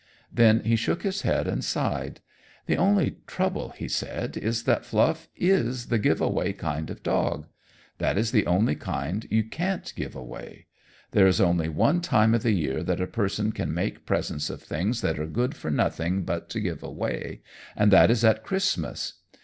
Then he shook his head and sighed. "The only trouble," he said, "is that Fluff is the give away kind of dog. That is the only kind you can't give away. There is only one time of the year that a person can make presents of things that are good for nothing but to give away, and that is at Christmas.